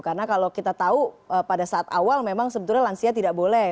karena kalau kita tahu pada saat awal memang sebetulnya lansia tidak boleh